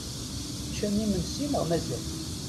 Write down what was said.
Teččam imensi neɣ mazal?